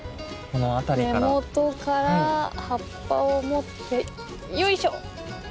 根元から葉っぱを持ってよいしょ。